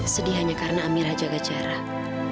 sedih hanya karena amira jaga jarak